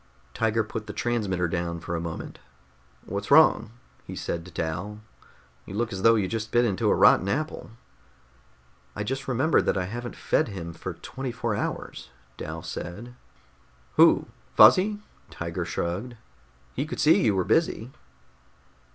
Tiger put the transmitter down for a moment. "What's wrong?" he said to Dal. "You look as though you just bit into a rotten apple." "I just remembered that I haven't fed him for twenty four hours," Dal said. "Who? Fuzzy?" Tiger shrugged. "He could see you were busy."